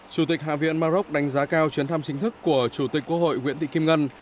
chủ tịch hạ viện maroc đánh giá cao chuyến thăm chính thức của chủ tịch quốc hội nguyễn thị kim ngân